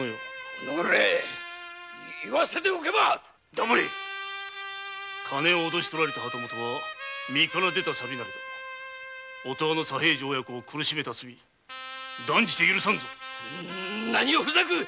おのれ言わせておけば黙れ金を脅し取られた旗本は身から出たサビなれど音羽の左平次親子を苦しめた罪断じて許さんぞ何をホざく。